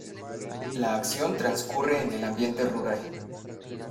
La acción transcurre en el ambiente rural.